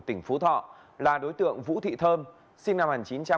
tỉnh phú thọ là đối tượng vũ thị thơm sinh năm một nghìn chín trăm tám mươi